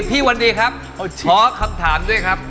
พี่วันดีครับท้องขอคำถามด้วยครับ